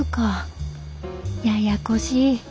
ややこしい。